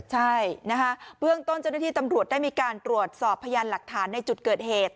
ใช่นะคะเบื้องต้นเจ้าหน้าที่ตำรวจได้มีการตรวจสอบพยานหลักฐานในจุดเกิดเหตุ